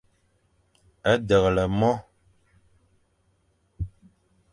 Deghle mo.